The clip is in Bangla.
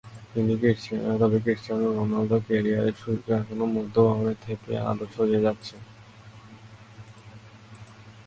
তবে ক্রিস্টিয়ানো রোনালদোর ক্যারিয়ারের সূর্য এখনো মধ্যগগনে থেকেই আলো ছড়িয়ে যাচ্ছে।